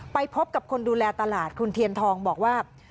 ไปพบกับคนดูแลตลาดคุณเทียนทองบอกว่า